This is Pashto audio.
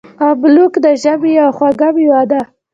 املوک د ژمي یوه خوږه میوه ده.